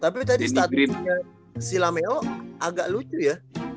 tapi tadi status nya si lamelo agak lucu ya